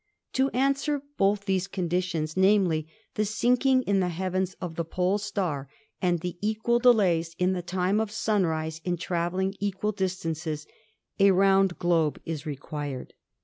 To answer both these conditions — namely, the sinking in the heavens of the Pole Star and the equal delays in the time of sunrise in traveling equal distances — a round globe is required.